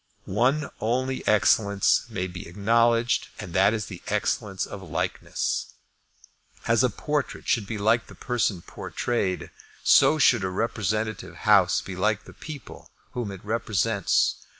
One only excellence may be acknowledged, and that is the excellence of likeness. As a portrait should be like the person portrayed, so should a representative House be like the people whom it represents.